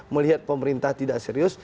melihat pemerintah tidak serius